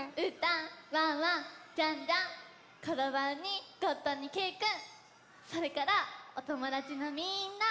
ワンワンジャンジャンコロバウにゴットンにけいくんそれからおともだちのみんな！